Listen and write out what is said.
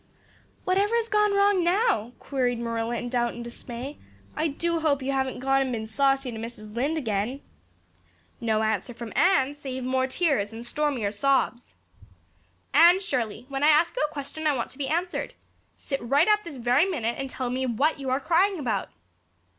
"Whatever has gone wrong now, Anne?" queried Marilla in doubt and dismay. "I do hope you haven't gone and been saucy to Mrs. Lynde again." No answer from Anne save more tears and stormier sobs! "Anne Shirley, when I ask you a question I want to be answered. Sit right up this very minute and tell me what you are crying about."